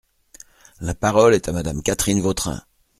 La parole est à Madame Catherine Vautrin.